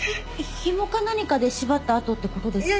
ひもか何かで縛った痕って事ですか？